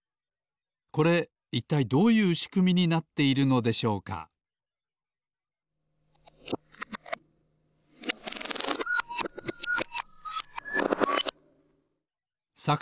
これいったいどういうしくみになっているのでしょうかさ